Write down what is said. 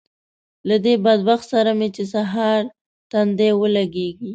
له دې بدبخت سره مې چې سهار تندی ولګېږي